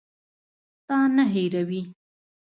تا نه هېروي.